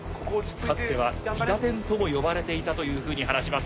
かつては韋駄天とも呼ばれていたというふうに話します。